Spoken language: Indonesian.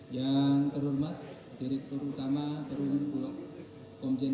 yang kami hormati bapak kabit humas polda banten